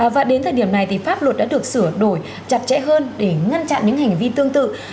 và đến thời điểm này thì pháp luật đã được sửa đổi chặt chẽ hơn để ngăn chặn những hành vi tương tự